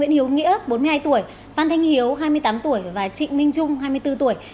hiếu nghĩa bốn mươi hai tuổi phan thanh hiếu hai mươi tám tuổi và trịnh minh trung hai mươi bốn tuổi